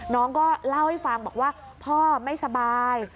น้องก็เล่าให้ฟังบอกว่าพ่อไม่สบาย